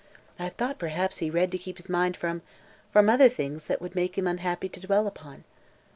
I have thought perhaps he read to keep his mind from from other things that it would make him unhappy to dwell upon."